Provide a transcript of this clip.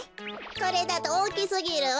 これだとおおきすぎるわ。